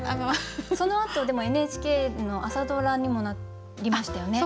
そのあとでもＮＨＫの朝ドラにもなりましたよね。